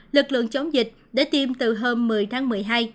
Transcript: lực lượng chống dịch đã tiêm từ hôm một mươi tháng một mươi hai